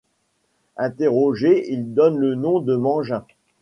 Interrogé, il donne le nom de Mangin.